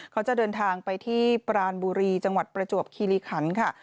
เขาจะเดินทางไปที่ปรานบุรีจังหวัดประจวบคิริขันค่ะ